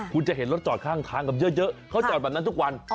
คุณจะเห็นรถจอดข้างทางกับเยอะเขาจอดแบบนั้นทุกวัน